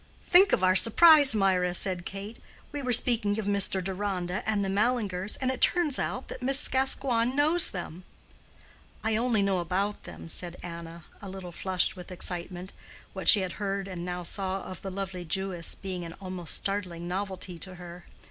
"Think of our surprise, Mirah," said Kate. "We were speaking of Mr. Deronda and the Mallingers, and it turns out that Miss Gascoigne knows them." "I only knew about them," said Anna, a little flushed with excitement, what she had heard and now saw of the lovely Jewess being an almost startling novelty to her.